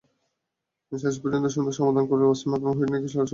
শেষ পর্যন্ত সুন্দর সমাধান দিলেন ওয়াসিম আকরাম, হুইটনিকে সরাসরি বোল্ড করে।